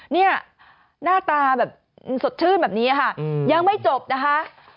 หน้าตาแบบสดชื่นแบบนี้ค่ะยังไม่จบนะคะ